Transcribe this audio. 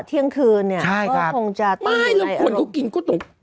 เที่ยงคืนเนี่ยใช่ก็คงจะไม่แล้วคนเขากินก๋ว